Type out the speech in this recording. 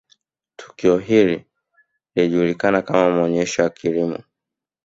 tukio hili linajulikana kama maonesho ya Kilimo